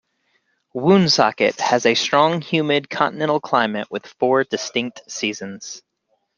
Woonsocket has a strong humid continental climate with four distinct-seasons.